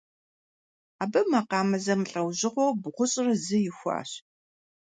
Абы макъамэ зэмылӀэужьыгъуэу бгъущӏрэ зы ихуащ.